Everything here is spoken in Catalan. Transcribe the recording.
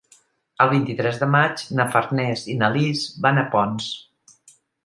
El vint-i-tres de maig na Farners i na Lis van a Ponts.